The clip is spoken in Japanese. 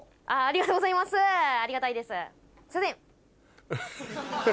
ありがたいです。